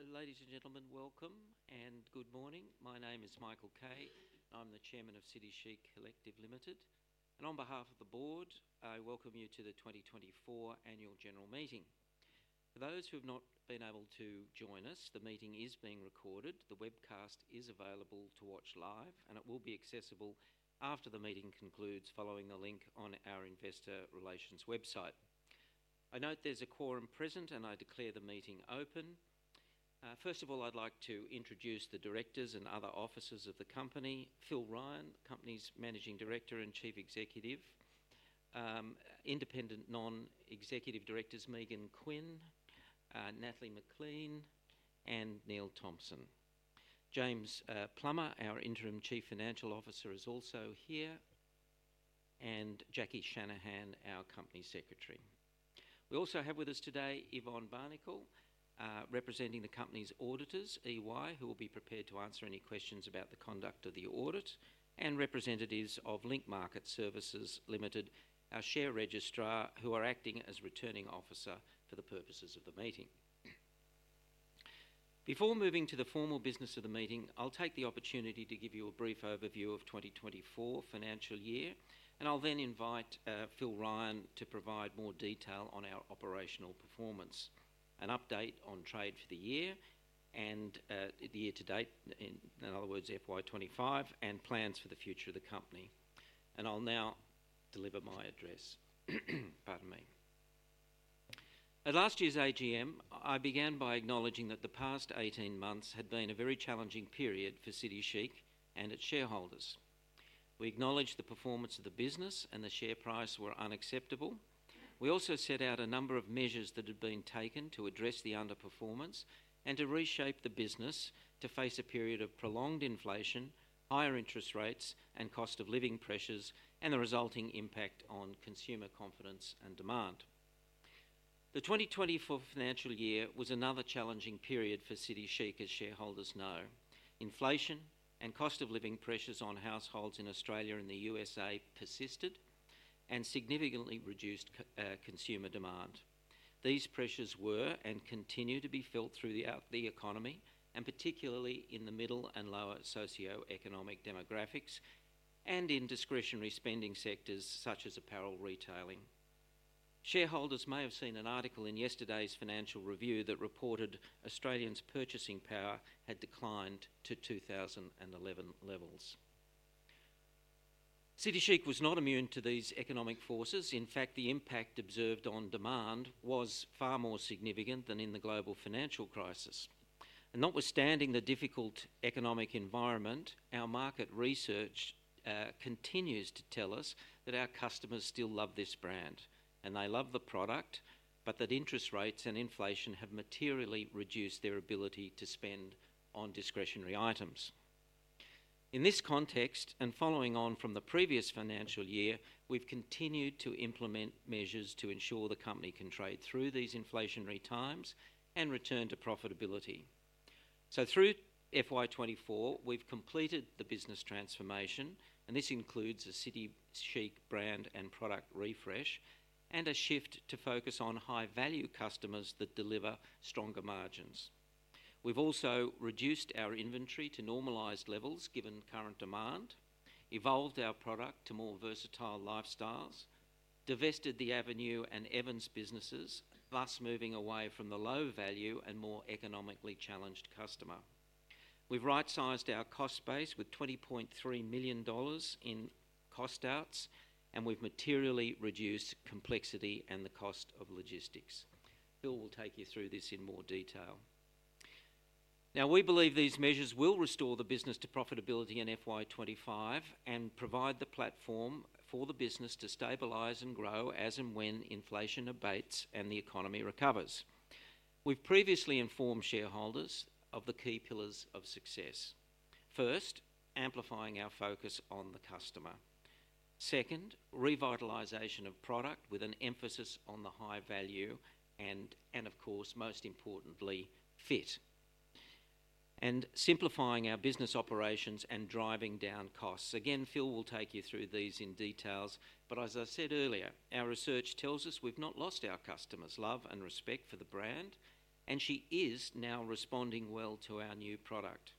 Ladies and gentlemen, welcome and good morning. My name is Michael Kay. I'm the Chairman of City Chic Collective Limited, and on behalf of the Board, I welcome you to the 2024 Annual General Meeting. For those who have not been able to join us, the meeting is being recorded. The webcast is available to watch live, and it will be accessible after the meeting concludes following the link on our investor relations website. I note there's a quorum present, and I declare the meeting open. First of all, I'd like to introduce the directors and other officers of the company: Phil Ryan, the company's Managing Director and Chief Executive, independent non-executive directors Megan Quinn, Natalie McLean, and Neil Thompson, James Plummer, our Interim Chief Financial Officer, is also here, and Jacquie Shanahan, our Company Secretary. We also have with us today Yvonne Barnicoat, representing the company's auditors, EY, who will be prepared to answer any questions about the conduct of the audit, and representatives of Link Market Services Limited, our share registrar, who are acting as returning officer for the purposes of the meeting. Before moving to the formal business of the meeting, I'll take the opportunity to give you a brief overview of 2024 financial year, and I'll then invite Phil Ryan to provide more detail on our operational performance, an update on trade for the year and the year to date, in other words, FY2025, and plans for the future of the company, and I'll now deliver my address. Pardon me. At last year's AGM, I began by acknowledging that the past 18 months had been a very challenging period for City Chic and its shareholders. We acknowledged the performance of the business and the share price were unacceptable. We also set out a number of measures that had been taken to address the underperformance and to reshape the business to face a period of prolonged inflation, higher interest rates, and cost of living pressures, and the resulting impact on consumer confidence and demand. The 2024 financial year was another challenging period for City Chic, as shareholders know. Inflation and cost of living pressures on households in Australia and the U.S.A. persisted and significantly reduced consumer demand. These pressures were and continue to be felt through the economy, and particularly in the middle and lower socioeconomic demographics and in discretionary spending sectors such as apparel retailing. Shareholders may have seen an article in yesterday's Financial Review that reported Australians' purchasing power had declined to 2011 levels. City Chic was not immune to these economic forces. In fact, the impact observed on demand was far more significant than in the global financial crisis, and notwithstanding the difficult economic environment, our market research continues to tell us that our customers still love this brand, and they love the product, but that interest rates and inflation have materially reduced their ability to spend on discretionary items. In this context, and following on from the previous financial year, we've continued to implement measures to ensure the company can trade through these inflationary times and return to profitability, so through FY2024, we've completed the business transformation, and this includes a City Chic brand and product refresh and a shift to focus on high-value customers that deliver stronger margins. We've also reduced our inventory to normalized levels given current demand, evolved our product to more versatile lifestyles, divested the Avenue and Evans businesses, thus moving away from the low-value and more economically challenged customer. We've right-sized our cost base with 20.3 million dollars in cost outs, and we've materially reduced complexity and the cost of logistics. Phil will take you through this in more detail. Now, we believe these measures will restore the business to profitability in FY2025 and provide the platform for the business to stabilize and grow as and when inflation abates and the economy recovers. We've previously informed shareholders of the key pillars of success. First, amplifying our focus on the customer. Second, revitalization of product with an emphasis on the high value and, of course, most importantly, fit, and simplifying our business operations and driving down costs. Again, Phil will take you through these in detail, but as I said earlier, our research tells us we've not lost our customers' love and respect for the brand, and she is now responding well to our new product.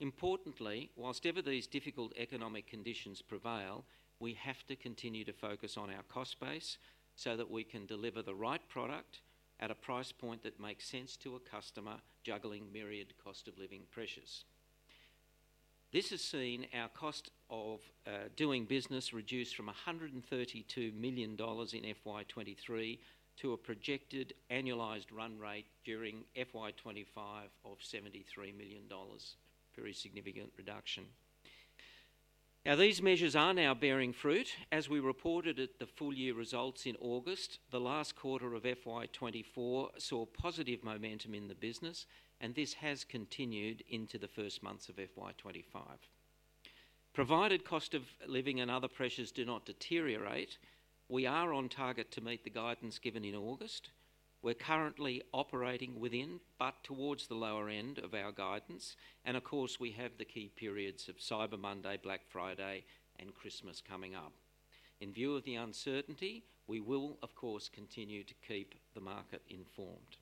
Importantly, while ever these difficult economic conditions prevail, we have to continue to focus on our cost base so that we can deliver the right product at a price point that makes sense to a customer juggling myriad cost of living pressures. This has seen our cost of doing business reduce from 132 million dollars in FY2023 to a projected annualized run rate during FY2025 of 73 million dollars. Very significant reduction. Now, these measures are now bearing fruit. As we reported at the full year results in August, the last quarter of FY2024 saw positive momentum in the business, and this has continued into the first months of FY2025. Provided cost of living and other pressures do not deteriorate, we are on target to meet the guidance given in August. We're currently operating within but towards the lower end of our guidance, and of course, we have the key periods of Cyber Monday, Black Friday, and Christmas coming up. In view of the uncertainty, we will, of course, continue to keep the market informed.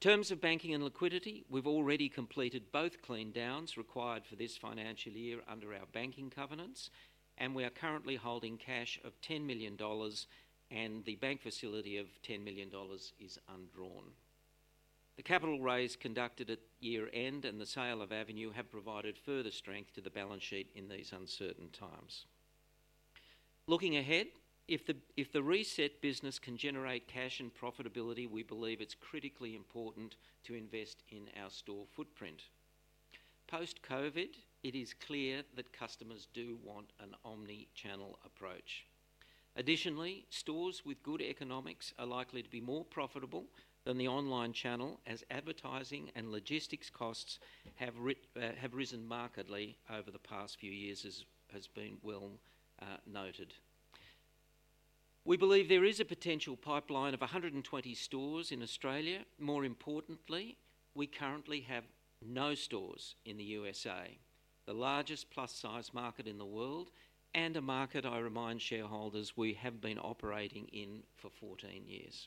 In terms of banking and liquidity, we've already completed both clean downs required for this financial year under our banking covenants, and we are currently holding cash of 10 million dollars, and the bank facility of 10 million dollars is undrawn. The capital raise conducted at year-end and the sale of Avenue have provided further strength to the balance sheet in these uncertain times. Looking ahead, if the reset business can generate cash and profitability, we believe it's critically important to invest in our store footprint. Post-COVID, it is clear that customers do want an omnichannel approach. Additionally, stores with good economics are likely to be more profitable than the online channel as advertising and logistics costs have risen markedly over the past few years, as has been well noted. We believe there is a potential pipeline of 120 stores in Australia. More importantly, we currently have no stores in the U.S.A., the largest plus-size market in the world and a market, I remind shareholders, we have been operating in for 14 years.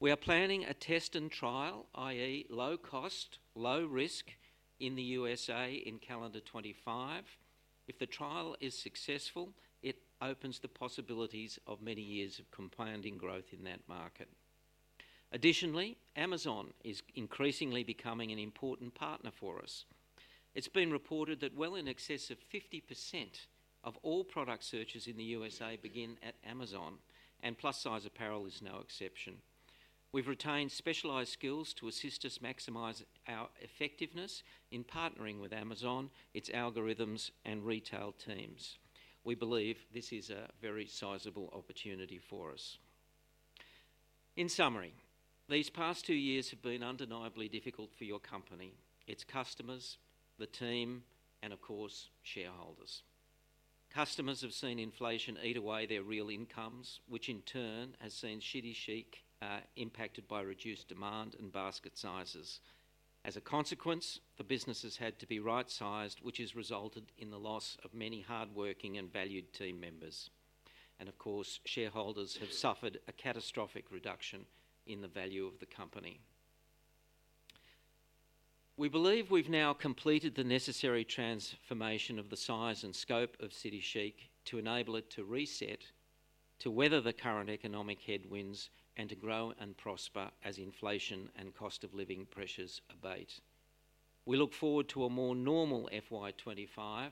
We are planning a test and trial, i.e., low cost, low risk in the U.S.A. in calendar 2025. If the trial is successful, it opens the possibilities of many years of compounding growth in that market. Additionally, Amazon is increasingly becoming an important partner for us. It's been reported that well in excess of 50% of all product searches in the U.S.A. begin at Amazon, and plus-size apparel is no exception. We've retained specialized skills to assist us maximize our effectiveness in partnering with Amazon, its algorithms, and retail teams. We believe this is a very sizable opportunity for us. In summary, these past two years have been undeniably difficult for your company, its customers, the team, and of course, shareholders. Customers have seen inflation eat away their real incomes, which in turn has seen City Chic impacted by reduced demand and basket sizes. As a consequence, the business has had to be right-sized, which has resulted in the loss of many hardworking and valued team members, and of course, shareholders have suffered a catastrophic reduction in the value of the company. We believe we've now completed the necessary transformation of the size and scope of City Chic to enable it to reset, to weather the current economic headwinds, and to grow and prosper as inflation and cost of living pressures abate. We look forward to a more normal FY2025,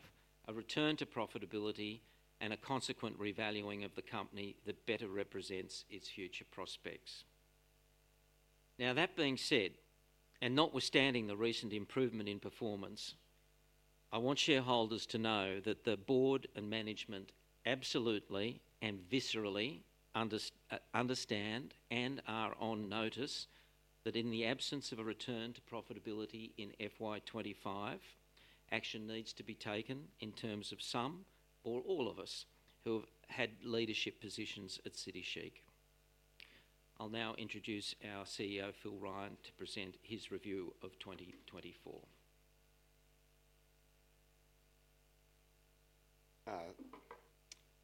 a return to profitability, and a consequent revaluing of the company that better represents its future prospects. Now, that being said, and notwithstanding the recent improvement in performance, I want shareholders to know that the Board and management absolutely and viscerally understand and are on notice that in the absence of a return to profitability in FY2025, action needs to be taken in terms of some or all of us who have had leadership positions at City Chic. I'll now introduce our CEO, Phil Ryan, to present his review of 2024.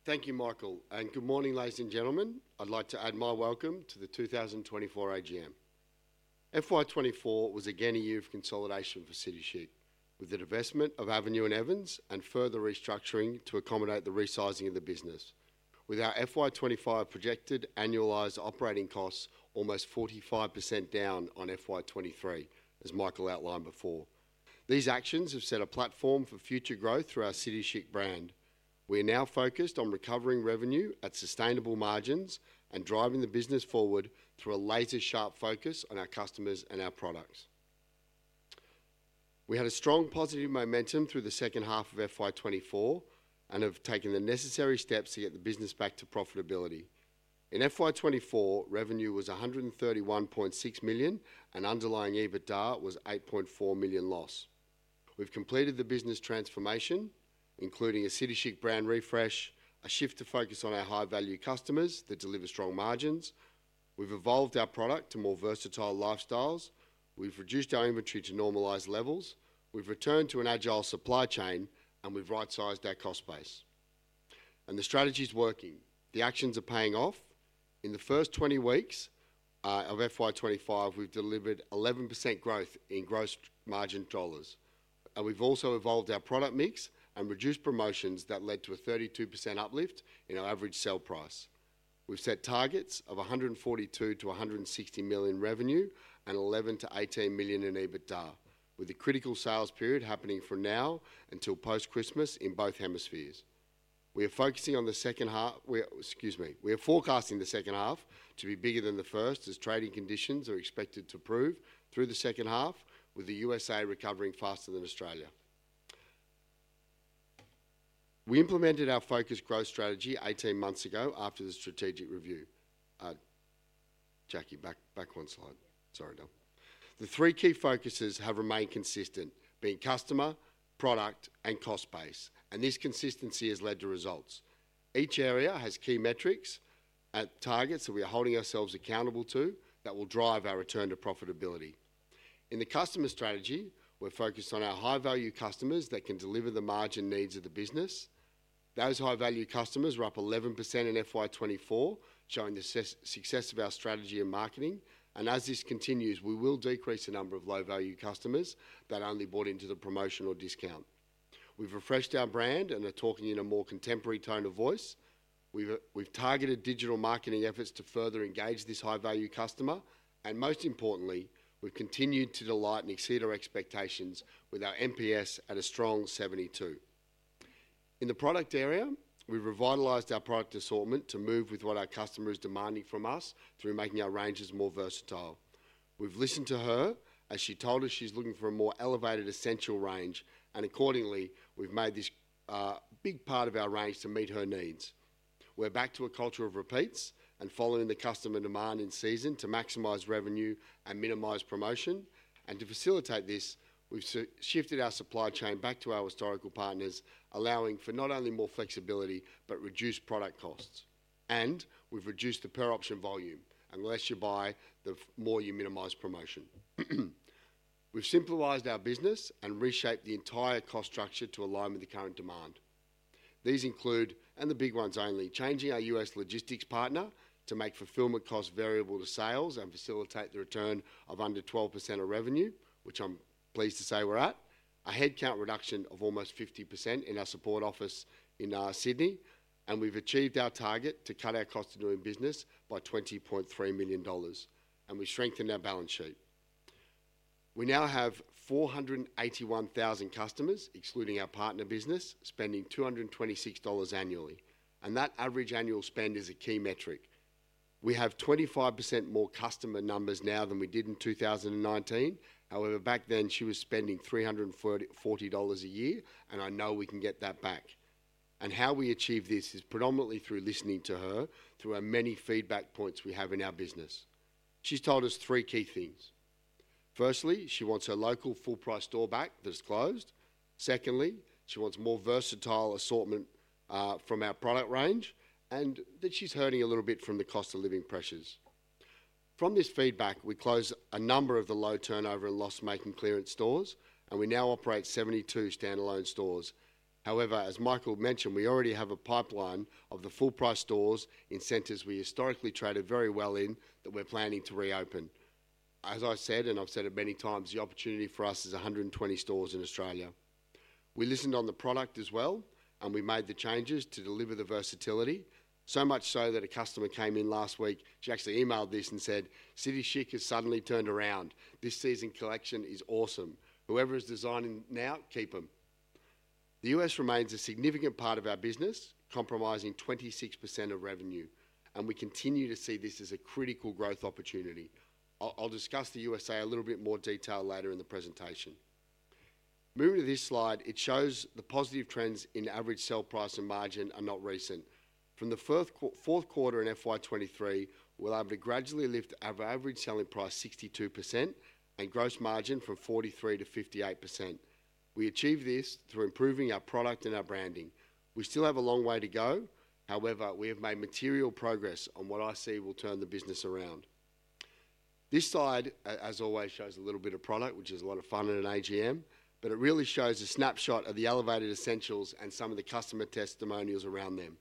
Thank you, Michael, and good morning, ladies and gentlemen. I'd like to add my welcome to the 2024 AGM. FY2024 was again a year of consolidation for City Chic, with the divestment of Avenue and Evans and further restructuring to accommodate the resizing of the business. With our FY2025 projected annualized operating costs almost 45% down on FY2023, as Michael outlined before. These actions have set a platform for future growth through our City Chic brand. We are now focused on recovering revenue at sustainable margins and driving the business forward through a laser-sharp focus on our customers and our products. We had a strong positive momentum through the second half of FY2024 and have taken the necessary steps to get the business back to profitability. In FY2024, revenue was 131.6 million, and underlying EBITDA was 8.4 million loss. We've completed the business transformation, including a City Chic brand refresh, a shift to focus on our high-value customers that deliver strong margins. We've evolved our product to more versatile lifestyles. We've reduced our inventory to normalized levels. We've returned to an agile supply chain, and we've right-sized our cost base. And the strategy is working. The actions are paying off. In the first 20 weeks of FY2025, we've delivered 11% growth in gross margin dollars. And we've also evolved our product mix and reduced promotions that led to a 32% uplift in our average sale price. We've set targets of $142 million-$160 million revenue and $11 million-$18 million in EBITDA, with the critical sales period happening from now until post-Christmas in both hemispheres. We are focusing on the second half, excuse me, we are forecasting the second half to be bigger than the first, as trading conditions are expected to improve through the second half, with the U.S.A. recovering faster than Australia. We implemented our focused growth strategy 18 months ago after the strategic review. Jacquie, back one slide. Sorry, Don. The three key focuses have remained consistent, being customer, product, and cost base, and this consistency has led to results. Each area has key metrics and targets that we are holding ourselves accountable to that will drive our return to profitability. In the customer strategy, we're focused on our high-value customers that can deliver the margin needs of the business. Those high-value customers were up 11% in FY2024, showing the success of our strategy and marketing. As this continues, we will decrease the number of low-value customers that only bought into the promotion or discount. We've refreshed our brand and are talking in a more contemporary tone of voice. We've targeted digital marketing efforts to further engage this high-value customer. And most importantly, we've continued to delight and exceed our expectations with our NPS at a strong 72. In the product area, we've revitalized our product assortment to move with what our customer is demanding from us through making our ranges more versatile. We've listened to her as she told us she's looking for a more elevated essential range, and accordingly, we've made this a big part of our range to meet her needs. We're back to a culture of repeats and following the customer demand in season to maximize revenue and minimize promotion. To facilitate this, we've shifted our supply chain back to our historical partners, allowing for not only more flexibility but reduced product costs. We've reduced the per-option volume. The less you buy, the more you minimize promotion. We've simplified our business and reshaped the entire cost structure to align with the current demand. These include, and the big ones only, changing our U.S. logistics partner to make fulfillment costs variable to sales and facilitate the return of under 12% of revenue, which I'm pleased to say we're at, a headcount reduction of almost 50% in our support office in Sydney. We've achieved our target to cut our cost of doing business by 20.3 million dollars. We've strengthened our balance sheet. We now have 481,000 customers, excluding our partner business, spending 226 dollars annually. That average annual spend is a key metric. We have 25% more customer numbers now than we did in 2019. However, back then, she was spending 340 dollars a year, and I know we can get that back. And how we achieve this is predominantly through listening to her, through our many feedback points we have in our business. She's told us three key things. Firstly, she wants her local full-price store back that's closed. Secondly, she wants more versatile assortment from our product range, and that she's hurting a little bit from the cost of living pressures. From this feedback, we closed a number of the low turnover and loss-making clearance stores, and we now operate 72 standalone stores. However, as Michael mentioned, we already have a pipeline of the full-price stores in centers we historically traded very well in that we're planning to reopen. As I said, and I've said it many times, the opportunity for us is 120 stores in Australia. We listened on the product as well, and we made the changes to deliver the versatility, so much so that a customer came in last week. She actually emailed this and said, "City Chic has suddenly turned around. This season collection is awesome. Whoever is designing now, keep them." The U.S. remains a significant part of our business, comprising 26% of revenue, and we continue to see this as a critical growth opportunity. I'll discuss the U.S. a little bit more detail later in the presentation. Moving to this slide, it shows the positive trends in average sale price and margin are not recent. From the fourth quarter in FY2023, we have gradually lifted our average selling price 62 and gross margin from 43% to 58%. We achieve this through improving our product and our branding. We still have a long way to go. However, we have made material progress on what I see will turn the business around. This slide, as always, shows a little bit of product, which is a lot of fun in an AGM, but it really shows a snapshot of the elevated essentials and some of the customer testimonials around them.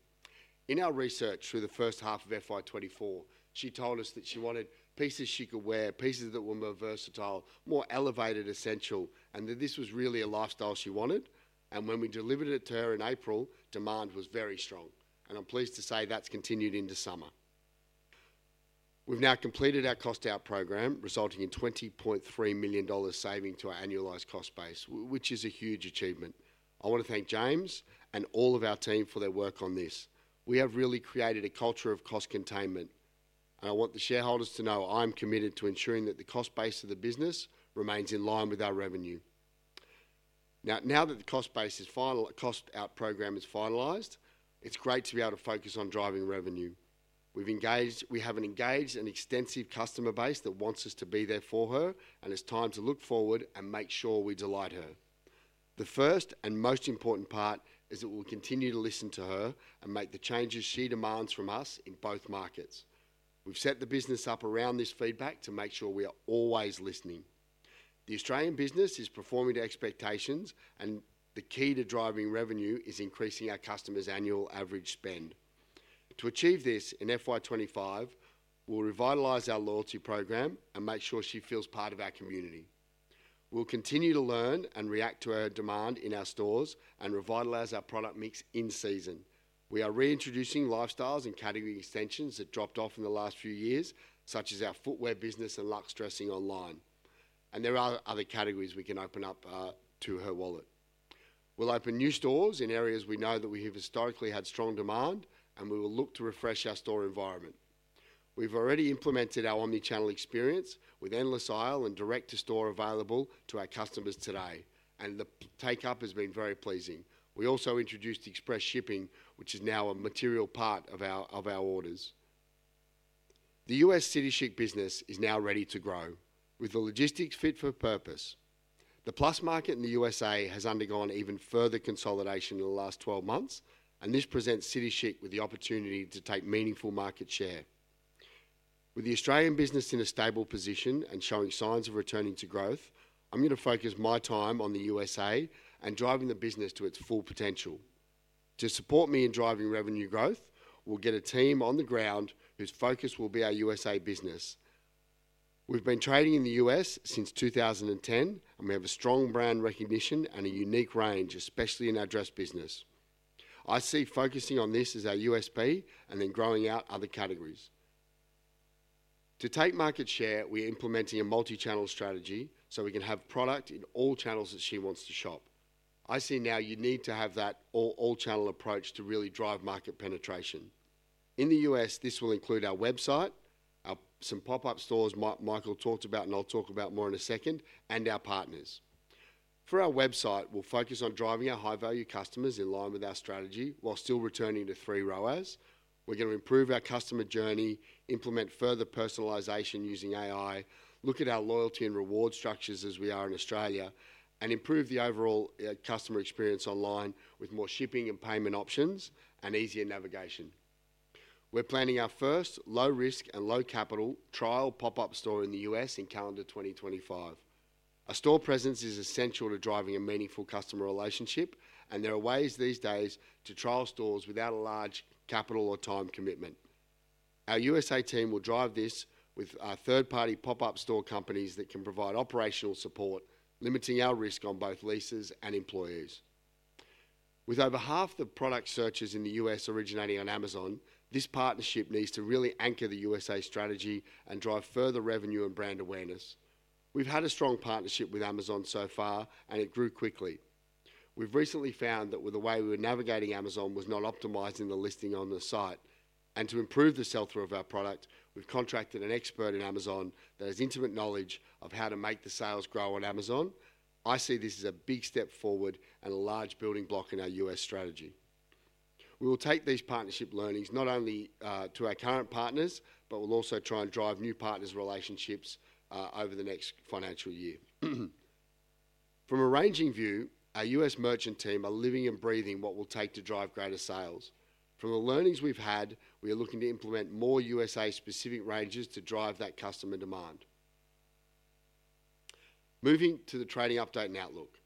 In our research through the first half of FY2024, she told us that she wanted pieces she could wear, pieces that were more versatile, more elevated essential, and that this was really a lifestyle she wanted. And when we delivered it to her in April, demand was very strong. And I'm pleased to say that's continued into summer. We've now completed our cost-out program, resulting in 20.3 million dollars saving to our annualized cost base, which is a huge achievement. I want to thank James and all of our team for their work on this. We have really created a culture of cost containment. And I want the shareholders to know I'm committed to ensuring that the cost base of the business remains in line with our revenue. Now that the cost base is final, the cost-out program is finalized, it's great to be able to focus on driving revenue. We haven't engaged an extensive customer base that wants us to be there for her, and it's time to look forward and make sure we delight her. The first and most important part is that we'll continue to listen to her and make the changes she demands from us in both markets. We've set the business up around this feedback to make sure we are always listening. The Australian business is performing to expectations, and the key to driving revenue is increasing our customer's annual average spend. To achieve this in FY2025, we'll revitalize our loyalty program and make sure she feels part of our community. We'll continue to learn and react to her demand in our stores and revitalize our product mix in season. We are reintroducing lifestyles and category extensions that dropped off in the last few years, such as our footwear business and Luxe Dressing online. And there are other categories we can open up to her wallet. We'll open new stores in areas we know that we have historically had strong demand, and we will look to refresh our store environment. We've already implemented our omnichannel experience with Endless Aisle and direct-to-store available to our customers today. And the take-up has been very pleasing. We also introduced express shipping, which is now a material part of our orders. The U.S. City Chic business is now ready to grow, with the logistics fit for purpose. The plus market in the U.S.A. has undergone even further consolidation in the last 12 months, and this presents City Chic with the opportunity to take meaningful market share. With the Australian business in a stable position and showing signs of returning to growth, I'm going to focus my time on the U.S.A. and driving the business to its full potential. To support me in driving revenue growth, we'll get a team on the ground whose focus will be our U.S.A. business. We've been trading in the U.S. since 2010, and we have a strong brand recognition and a unique range, especially in our dress business. I see focusing on this as our USP and then growing out other categories. To take market share, we're implementing a multi-channel strategy so we can have product in all channels that she wants to shop. I see now you need to have that all-channel approach to really drive market penetration. In the U.S., this will include our website, some pop-up stores Michael talked about, and I'll talk about more in a second, and our partners. For our website, we'll focus on driving our high-value customers in line with our strategy while still returning to three ROAS. We're going to improve our customer journey, implement further personalization using AI, look at our loyalty and reward structures as we are in Australia, and improve the overall customer experience online with more shipping and payment options and easier navigation. We're planning our first low-risk and low-capital trial pop-up store in the U.S. in calendar 2025. A store presence is essential to driving a meaningful customer relationship, and there are ways these days to trial stores without a large capital or time commitment. Our U.S.A. team will drive this with third-party pop-up store companies that can provide operational support, limiting our risk on both leases and employees. With over half the product searches in the U.S. originating on Amazon, this partnership needs to really anchor the U.S.A. strategy and drive further revenue and brand awareness. We've had a strong partnership with Amazon so far, and it grew quickly. We've recently found that the way we were navigating Amazon was not optimizing the listing on the site, and to improve the sell-through of our product, we've contracted an expert in Amazon that has intimate knowledge of how to make the sales grow on Amazon. I see this as a big step forward and a large building block in our U.S. strategy. We will take these partnership learnings not only to our current partners, but we'll also try and drive new partners' relationships over the next financial year. From a ranging view, our U.S. merchant team are living and breathing what will take to drive greater sales. From the learnings we've had, we are looking to implement more U.S.A.-specific ranges to drive that customer demand. Moving to the trading update and outlook.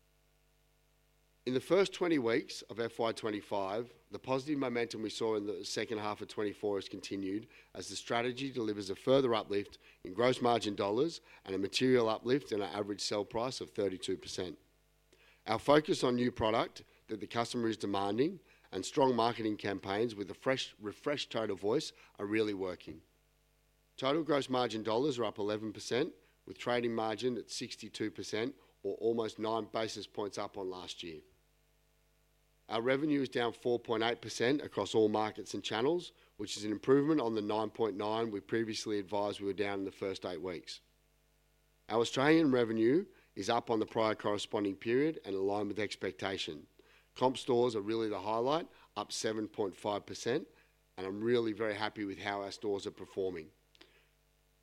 In the first 20 weeks of FY2025, the positive momentum we saw in the second half of 2024 has continued as the strategy delivers a further uplift in gross margin dollars and a material uplift in our average sale price of 32%. Our focus on new product that the customer is demanding and strong marketing campaigns with a refreshed total voice are really working. Total gross margin dollars are up 11%, with trading margin at 62%, or almost nine basis points up on last year. Our revenue is down 4.8% across all markets and channels, which is an improvement on the 9.9% we previously advised we were down in the first eight weeks. Our Australian revenue is up on the prior corresponding period and aligned with expectation. Comp stores are really the highlight, up 7.5%, and I'm really very happy with how our stores are performing.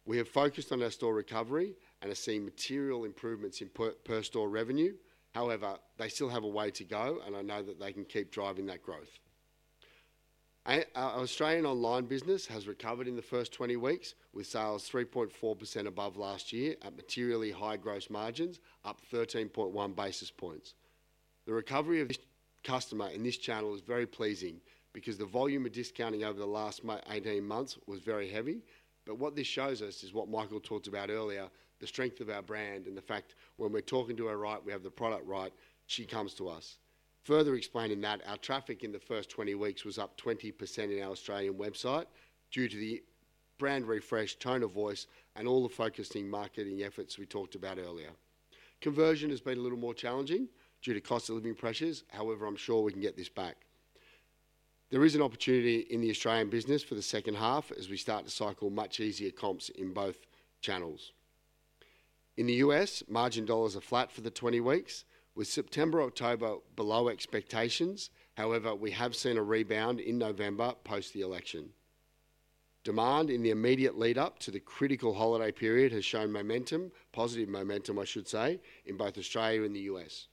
We have focused on our store recovery and have seen material improvements in per-store revenue. However, they still have a way to go, and I know that they can keep driving that growth. Our Australian online business has recovered in the first 20 weeks, with sales 3.4% above last year at materially high gross margins, up 13.1 basis points. The recovery of this customer in this channel is very pleasing because the volume of discounting over the last 18 months was very heavy. But what this shows us is what Michael talked about earlier, the strength of our brand and the fact when we're talking to her right, we have the product right, she comes to us. Further explaining that, our traffic in the first 20 weeks was up 20% in our Australian website due to the brand refresh, tone of voice, and all the focusing marketing efforts we talked about earlier. Conversion has been a little more challenging due to cost of living pressures. However, I'm sure we can get this back. There is an opportunity in the Australian business for the second half as we start to cycle much easier comps in both channels. In the U.S., margin dollars are flat for the 20 weeks, with September, October below expectations. However, we have seen a rebound in November post the election. Demand in the immediate lead-up to the critical holiday period has shown momentum, positive momentum, I should say, in both Australia and the U.S.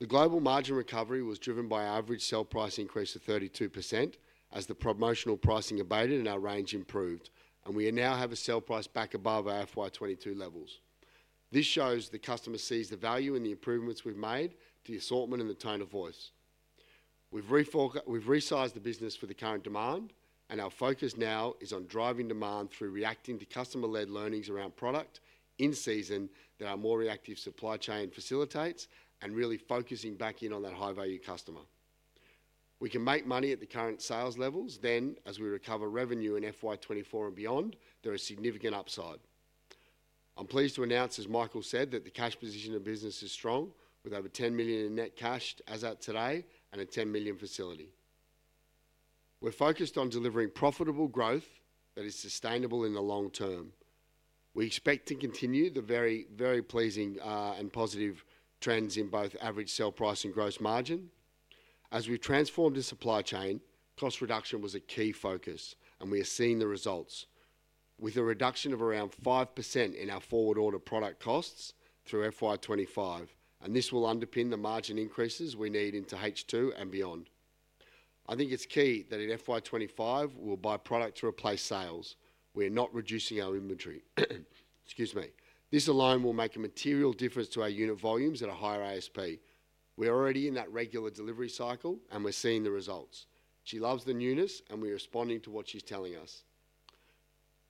The global margin recovery was driven by average sale price increase of 32% as the promotional pricing abated and our range improved. And we now have a sale price back above our FY2022 levels. This shows the customer sees the value in the improvements we've made, the assortment, and the tone of voice. We've resized the business for the current demand, and our focus now is on driving demand through reacting to customer-led learnings around product in season that our more reactive supply chain facilitates and really focusing back in on that high-value customer. We can make money at the current sales levels. Then, as we recover revenue in FY2024 and beyond, there is significant upside. I'm pleased to announce, as Michael said, that the cash position of the business is strong, with over 10 million in net cash as of today and a 10 million facility. We're focused on delivering profitable growth that is sustainable in the long term. We expect to continue the very, very pleasing and positive trends in both average sale price and gross margin. As we've transformed the supply chain, cost reduction was a key focus, and we are seeing the results, with a reduction of around 5% in our forward-order product costs through FY2025, and this will underpin the margin increases we need into H2 and beyond. I think it's key that in FY2025, we'll buy product to replace sales. We are not reducing our inventory. Excuse me. This alone will make a material difference to our unit volumes at a higher ASP. We're already in that regular delivery cycle, and we're seeing the results. She loves the newness, and we're responding to what she's telling us.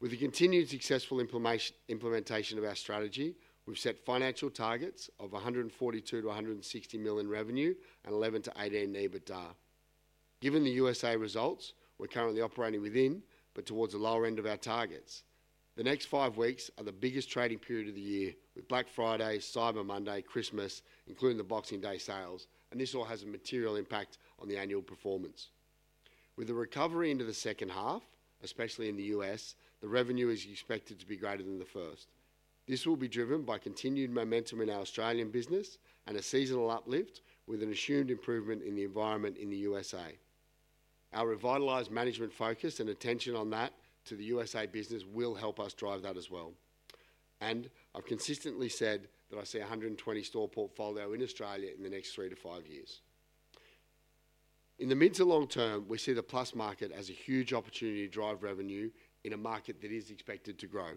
With the continued successful implementation of our strategy, we've set financial targets of 142 million-160 million revenue and 11 million-18 million EBITDA. Given the U.S.A. results, we're currently operating within but towards the lower end of our targets. The next five weeks are the biggest trading period of the year, with Black Friday, Cyber Monday, Christmas, including the Boxing Day sales. And this all has a material impact on the annual performance. With the recovery into the second half, especially in the U.S., the revenue is expected to be greater than the first. This will be driven by continued momentum in our Australian business and a seasonal uplift, with an assumed improvement in the environment in the U.S.A. Our revitalized management focus and attention on that to the U.S.A. business will help us drive that as well. And I've consistently said that I see a 120-store portfolio in Australia in the next three to five years. In the mid to long term, we see the plus market as a huge opportunity to drive revenue in a market that is expected to grow.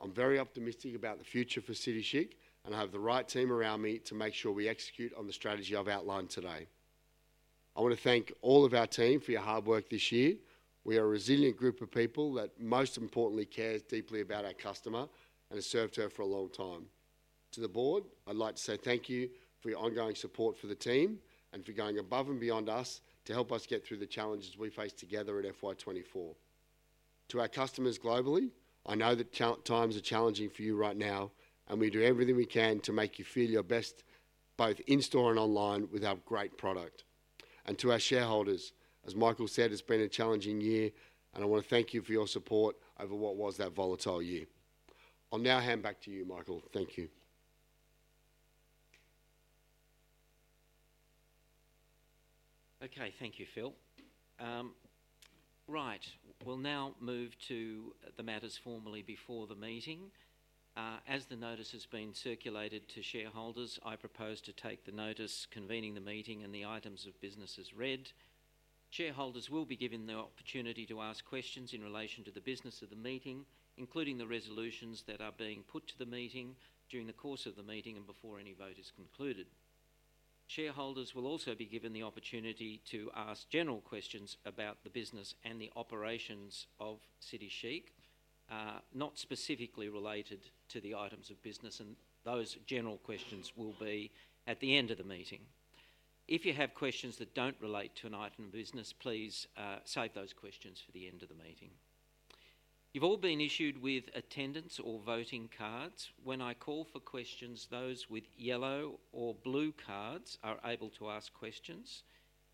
I'm very optimistic about the future for City Chic, and I have the right team around me to make sure we execute on the strategy I've outlined today. I want to thank all of our team for your hard work this year. We are a resilient group of people that, most importantly, cares deeply about our customer and has served her for a long time. To the Board, I'd like to say thank you for your ongoing support for the team and for going above and beyond us to help us get through the challenges we face together at FY2024. To our customers globally, I know that times are challenging for you right now, and we do everything we can to make you feel your best both in store and online with our great product. To our shareholders, as Michael said, it's been a challenging year, and I want to thank you for your support over what was that volatile year. I'll now hand back to you, Michael. Thank you. Okay. Thank you, Phil. Right. We'll now move to the matters formally before the meeting. As the notice has been circulated to shareholders, I propose to take the notice convening the meeting and the items of business as read. Shareholders will be given the opportunity to ask questions in relation to the business of the meeting, including the resolutions that are being put to the meeting during the course of the meeting and before any vote is concluded. Shareholders will also be given the opportunity to ask general questions about the business and the operations of City Chic, not specifically related to the items of business. Those general questions will be at the end of the meeting. If you have questions that don't relate to an item of business, please save those questions for the end of the meeting. You've all been issued with attendance or voting cards. When I call for questions, those with yellow or blue cards are able to ask questions.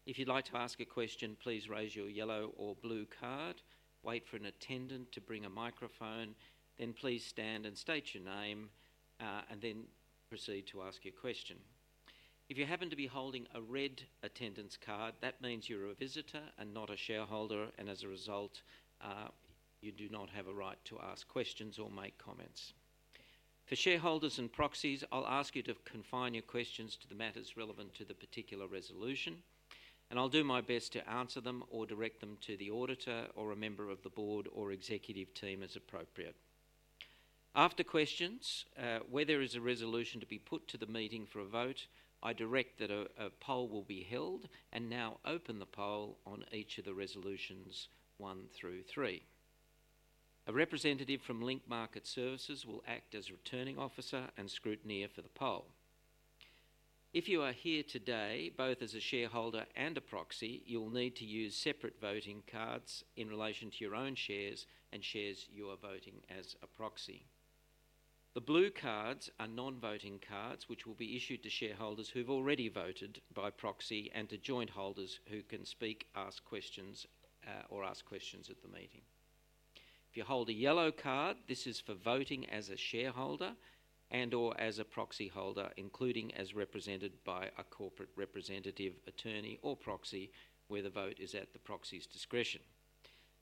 If you'd like to ask a question, please raise your yellow or blue card. Wait for an attendant to bring a microphone, then please stand and state your name, and then proceed to ask your question. If you happen to be holding a red attendance card, that means you're a visitor and not a shareholder, and as a result, you do not have a right to ask questions or make comments. For shareholders and proxies, I'll ask you to confine your questions to the matters relevant to the particular resolution, and I'll do my best to answer them or direct them to the auditor or a member of the Board or executive team as appropriate. After questions, whether there is a resolution to be put to the meeting for a vote, I direct that a poll will be held and now open the poll on each of the resolutions one through three. A representative from Link Market Services will act as returning officer and scrutineer for the poll. If you are here today, both as a shareholder and a proxy, you'll need to use separate voting cards in relation to your own shares and shares you are voting as a proxy. The blue cards are non-voting cards, which will be issued to shareholders who've already voted by proxy and to joint holders who can speak, ask questions, or ask questions at the meeting. If you hold a yellow card, this is for voting as a shareholder and/or as a proxy holder, including as represented by a corporate representative, attorney, or proxy where the vote is at the proxy's discretion.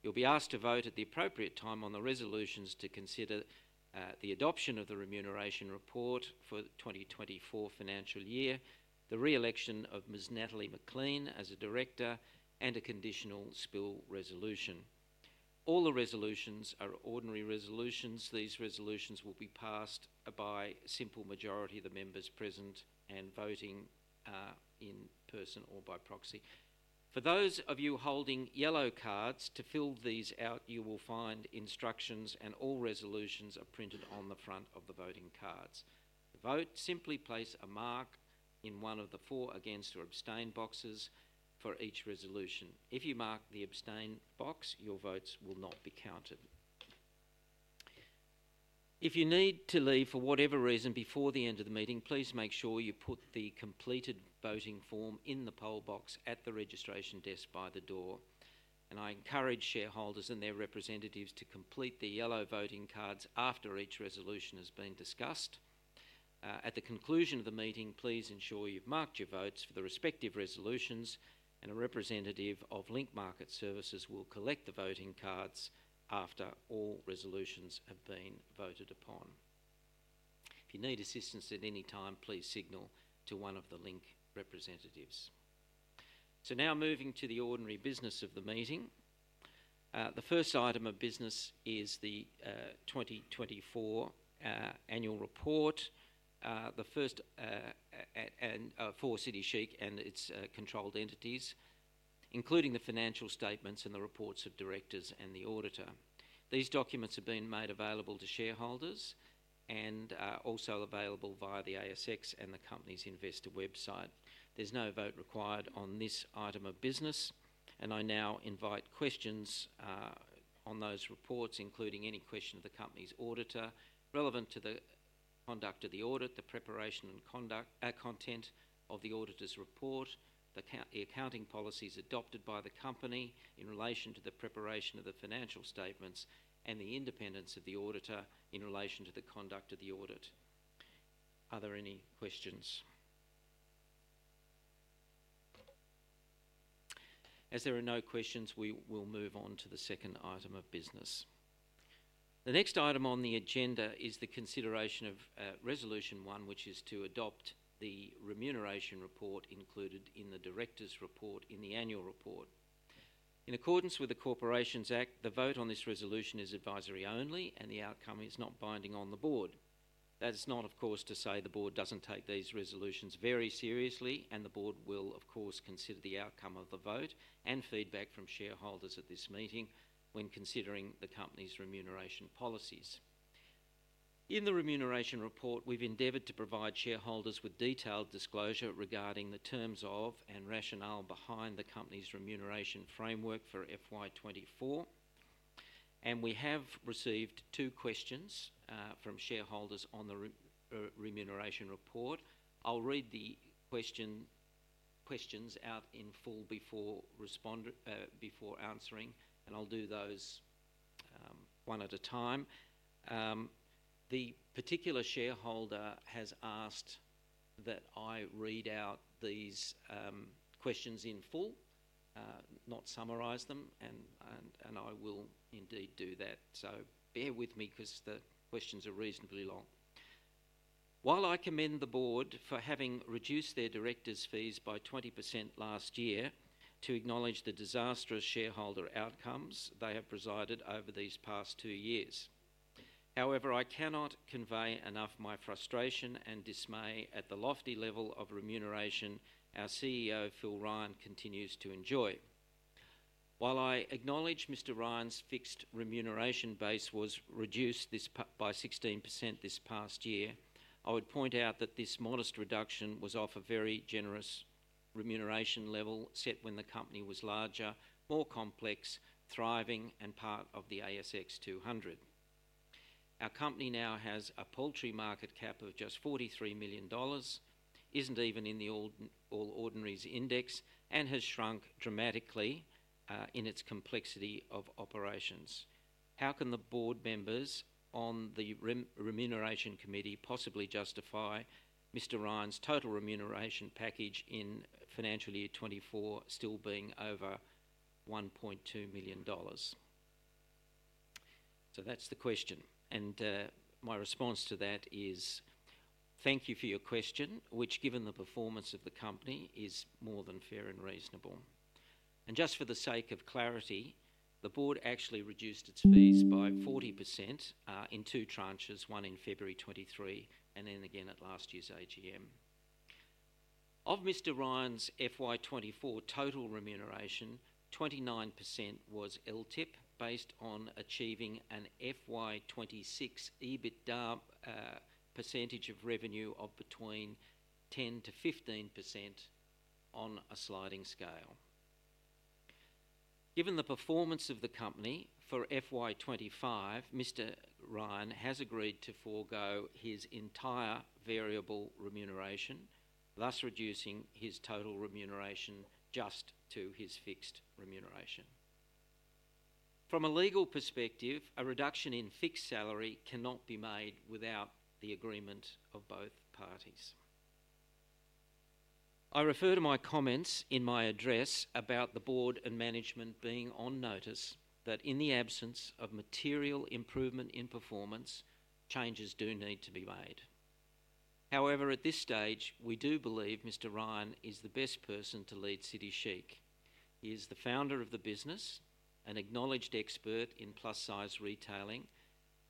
You'll be asked to vote at the appropriate time on the resolutions to consider the adoption of the remuneration report for the 2024 financial year, the re-election of Ms. Natalie McLean as a director, and a conditional spill resolution. All the resolutions are ordinary resolutions. These resolutions will be passed by a simple majority of the members present and voting in person or by proxy. For those of you holding yellow cards, to fill these out, you will find instructions, and all resolutions are printed on the front of the voting cards. To vote, simply place a mark in one of the four against or abstain boxes for each resolution. If you mark the abstain box, your votes will not be counted. If you need to leave for whatever reason before the end of the meeting, please make sure you put the completed voting form in the poll box at the registration desk by the door, and I encourage shareholders and their representatives to complete the yellow voting cards after each resolution has been discussed. At the conclusion of the meeting, please ensure you've marked your votes for the respective resolutions, and a representative of Link Market Services will collect the voting cards after all resolutions have been voted upon. If you need assistance at any time, please signal to one of the Link representatives. So now moving to the ordinary business of the meeting. The first item of business is the 2024 annual report for City Chic and its controlled entities, including the financial statements and the reports of directors and the auditor. These documents have been made available to shareholders and also available via the ASX and the company's investor website. There's no vote required on this item of business. And I now invite questions on those reports, including any question of the company's auditor relevant to the conduct of the audit, the preparation and content of the auditor's report, the accounting policies adopted by the company in relation to the preparation of the financial statements, and the independence of the auditor in relation to the conduct of the audit. Are there any questions? As there are no questions, we will move on to the second item of business. The next item on the agenda is the consideration of resolution one, which is to adopt the remuneration report included in the director's report in the annual report. In accordance with the Corporations Act, the vote on this resolution is advisory only, and the outcome is not binding on the Board. That is not, of course, to say the board doesn't take these resolutions very seriously, and the Board will, of course, consider the outcome of the vote and feedback from shareholders at this meeting when considering the company's remuneration policies. In the remuneration report, we've endeavoured to provide shareholders with detailed disclosure regarding the terms of and rationale behind the company's remuneration framework for FY2024. And we have received two questions from shareholders on the remuneration report. I'll read the questions out in full before answering, and I'll do those one at a time. The particular shareholder has asked that I read out these questions in full, not summarise them, and I will indeed do that. So bear with me because the questions are reasonably long. While I commend the Board for having reduced their director's fees by 20% last year to acknowledge the disastrous shareholder outcomes they have presided over these past two years. However, I cannot convey enough my frustration and dismay at the lofty level of remuneration our CEO, Phil Ryan, continues to enjoy. While I acknowledge Mr. Ryan's fixed remuneration base was reduced by 16% this past year, I would point out that this modest reduction was off a very generous remuneration level set when the company was larger, more complex, thriving, and part of the ASX 200. Our company now has a paltry market cap of just 43 million dollars, isn't even in the All Ordinaries Index, and has shrunk dramatically in its complexity of operations. How can the Board members on the remuneration committee possibly justify Mr. Ryan's total remuneration package in financial year 2024 still being over 1.2 million dollars? So that's the question. And my response to that is, thank you for your question, which, given the performance of the company, is more than fair and reasonable. And just for the sake of clarity, the Board actually reduced its fees by 40% in two tranches, one in February 2023 and then again at last year's AGM. Of Mr. Ryan's FY2024 total remuneration, 29% was LTIP based on achieving an FY2026 EBITDA percentage of revenue of between 10%-15% on a sliding scale. Given the performance of the company for FY2025, Mr. Ryan has agreed to forgo his entire variable remuneration, thus reducing his total remuneration just to his fixed remuneration. From a legal perspective, a reduction in fixed salary cannot be made without the agreement of both parties. I refer to my comments in my address about the Board and management being on notice that in the absence of material improvement in performance, changes do need to be made. However, at this stage, we do believe Mr. Ryan is the best person to lead City Chic. He is the founder of the business, an acknowledged expert in plus-size retailing,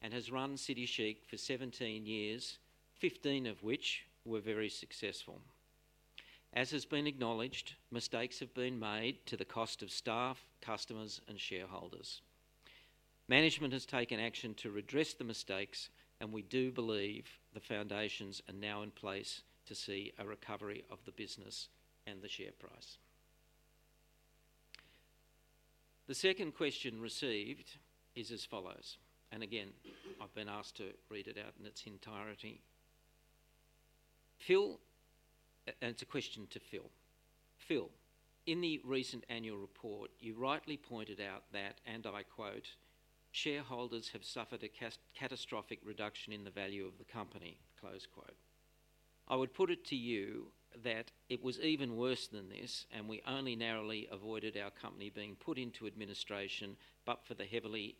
and has run City Chic for 17 years, 15 of which were very successful. As has been acknowledged, mistakes have been made to the cost of staff, customers, and shareholders. Management has taken action to redress the mistakes, and we do believe the foundations are now in place to see a recovery of the business and the share price. The second question received is as follows. And again, I've been asked to read it out in its entirety. And it's a question to Phil. "Phil, in the recent annual report, you rightly pointed out that," and I quote, "shareholders have suffered a catastrophic reduction in the value of the company." I would put it to you that it was even worse than this, and we only narrowly avoided our company being put into administration but for the heavily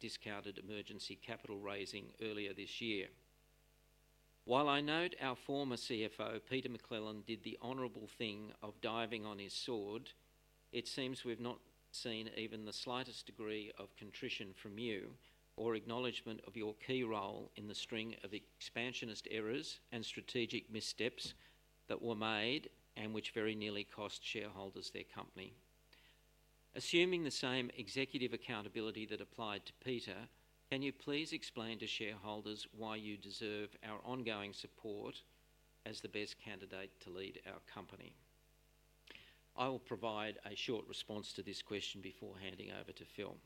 discounted emergency capital raising earlier this year. While I note our former CFO, Peter McClelland, did the honorable thing of diving on his sword, it seems we've not seen even the slightest degree of contrition from you or acknowledgment of your key role in the string of expansionist errors and strategic missteps that were made and which very nearly cost shareholders their company. Assuming the same executive accountability that applied to Peter, can you please explain to shareholders why you deserve our ongoing support as the best candidate to lead our company? I will provide a short response to this question before handing over to Phil.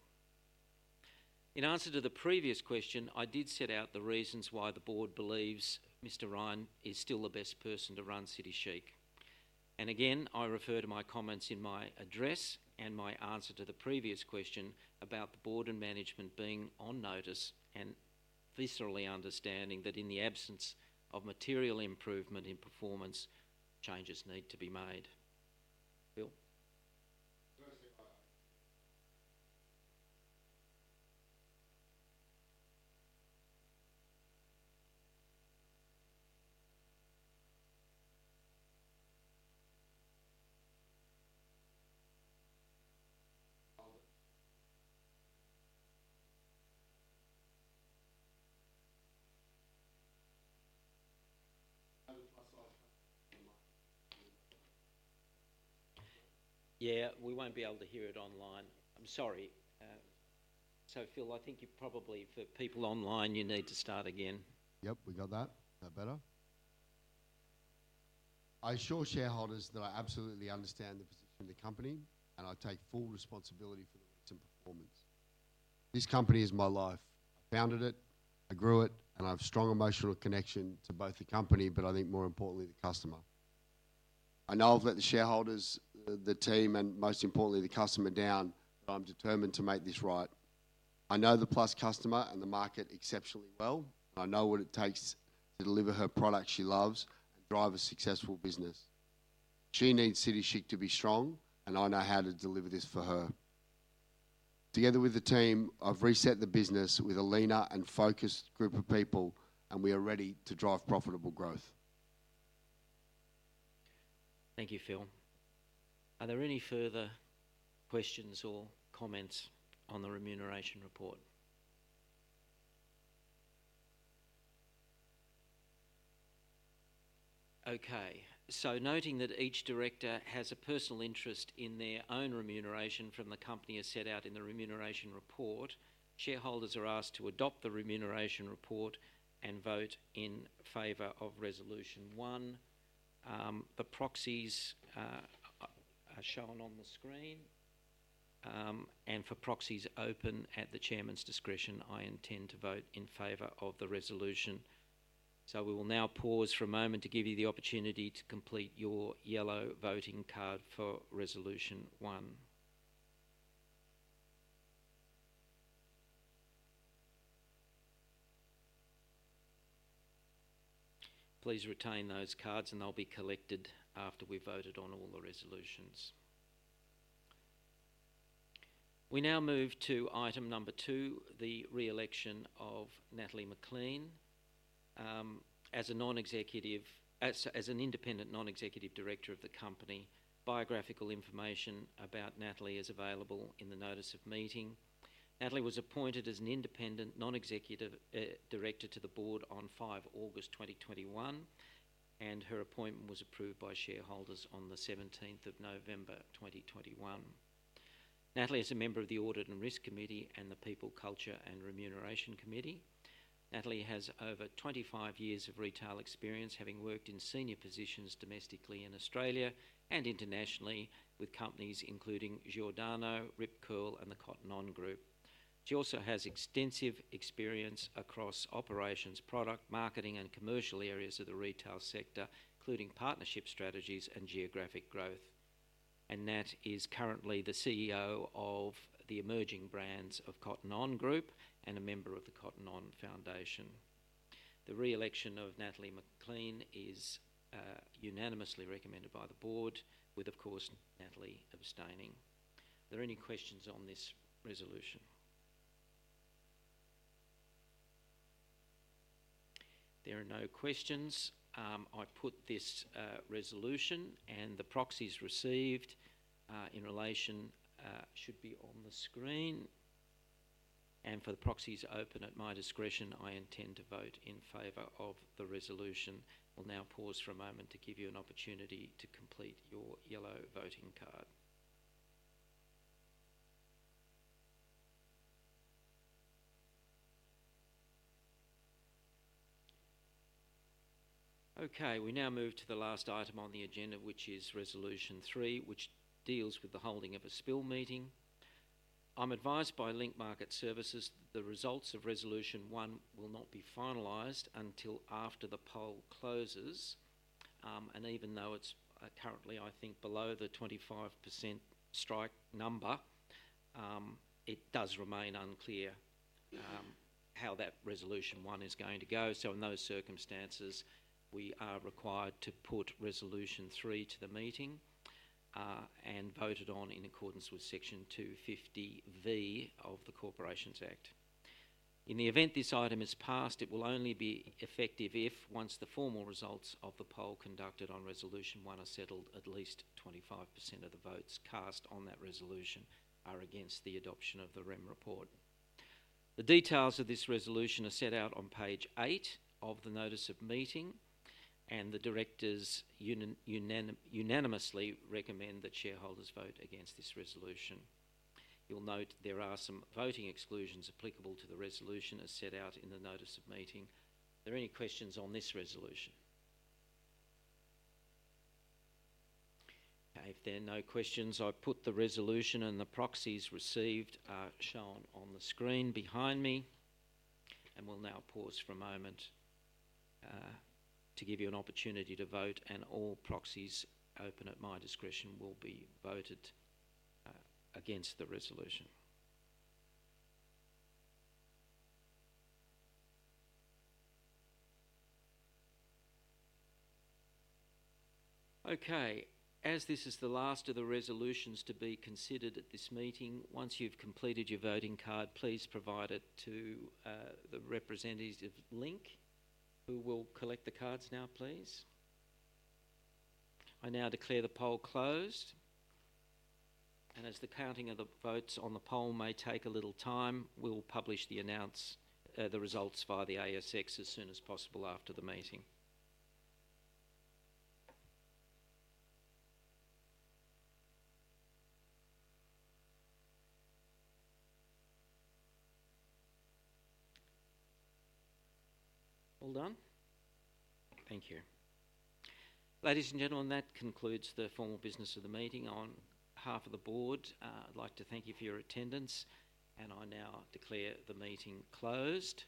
In answer to the previous question, I did set out the reasons why the Board believes Mr. Ryan is still the best person to run City Chic. And again, I refer to my comments in my address and my answer to the previous question about the Board and management being on notice and viscerally understanding that in the absence of material improvement in performance, changes need to be made. Phil? Yeah, we won't be able to hear it online. I'm sorry. So Phil, I think you probably, for people online, you need to start again. Yep, we got that. That's better. I assure shareholders that I absolutely understand the position of the company, and I take full responsibility for the way it's performing. This company is my life. I founded it, I grew it, and I have a strong emotional connection to both the company, but I think more importantly, the customer. I know I've let the shareholders, the team, and most importantly, the customer down, but I'm determined to make this right. I know the plus customer and the market exceptionally well, and I know what it takes to deliver her product she loves and drive a successful business. She needs City Chic to be strong, and I know how to deliver this for her. Together with the team, I've reset the business with a leaner and focused group of people, and we are ready to drive profitable growth. Thank you, Phil. Are there any further questions or comments on the remuneration report? Okay, so noting that each director has a personal interest in their own remuneration from the company as set out in the remuneration report, shareholders are asked to adopt the remuneration report and vote in favor of resolution one. The proxies are shown on the screen, and for proxies open at the chairman's discretion, I intend to vote in favor of the resolution. So we will now pause for a moment to give you the opportunity to complete your yellow voting card for resolution one. Please retain those cards, and they'll be collected after we've voted on all the resolutions. We now move to item number two, the re-election of Natalie McLean. As an independent non-executive director of the company, biographical information about Natalie is available in the notice of meeting. Natalie was appointed as an independent non-executive director to the Board on 5 August 2021, and her appointment was approved by shareholders on the 17th of November 2021. Natalie is a member of the Audit and Risk Committee and the People, Culture, and Remuneration Committee. Natalie has over 25 years of retail experience, having worked in senior positions domestically in Australia and internationally with companies including Giordano, Rip Curl, and the Cotton On Group. She also has extensive experience across operations, product, marketing, and commercial areas of the retail sector, including partnership strategies and geographic growth. Natalie is currently the CEO of the emerging brands of Cotton On Group and a member of the Cotton On Foundation. The re-election of Natalie McLean is unanimously recommended by the Board, with, of course, Natalie abstaining. Are there any questions on this resolution? There are no questions. I put this resolution and the proxies received in relation to it should be on the screen. For the proxies open at my discretion, I intend to vote in favor of the resolution. We'll now pause for a moment to give you an opportunity to complete your yellow voting card. Okay. We now move to the last item on the agenda, which is resolution three, which deals with the holding of a spill meeting. I'm advised by Link Market Services that the results of resolution one will not be finalised until after the poll closes, and even though it's currently, I think, below the 25% strike number, it does remain unclear how that resolution one is going to go, so in those circumstances, we are required to put resolution three to the meeting and vote it on in accordance with section 250(v) of the Corporations Act. In the event this item is passed, it will only be effective if, once the formal results of the poll conducted on resolution one are settled, at least 25% of the votes cast on that resolution are against the adoption of the remuneration report. The details of this resolution are set out on page eight of the notice of meeting, and the directors unanimously recommend that shareholders vote against this resolution. You'll note there are some voting exclusions applicable to the resolution as set out in the notice of meeting. Are there any questions on this resolution? Okay. If there are no questions, I put the resolution, and the proxies received are shown on the screen behind me, and we'll now pause for a moment to give you an opportunity to vote, and all proxies open at my discretion will be voted against the resolution. Okay. As this is the last of the resolutions to be considered at this meeting, once you've completed your voting card, please provide it to the representative Link. We will collect the cards now, please. I now declare the poll closed, and as the counting of the votes on the poll may take a little time, we'll publish the results via the ASX as soon as possible after the meeting. All done? Thank you. Ladies and gentlemen, that concludes the formal business of the meeting. On behalf of the Board, I'd like to thank you for your attendance, and I now declare the meeting closed.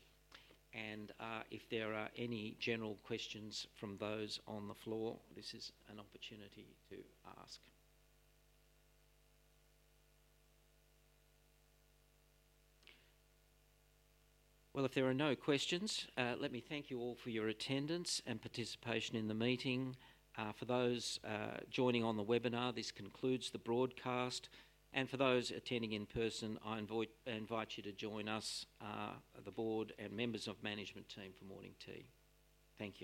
If there are any general questions from those on the floor, this is an opportunity to ask. If there are no questions, let me thank you all for your attendance and participation in the meeting. For those joining on the webinar, this concludes the broadcast. For those attending in person, I invite you to join us, the Board, and members of the management team for morning tea. Thank you.